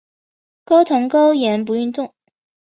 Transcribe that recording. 高糖高盐不运动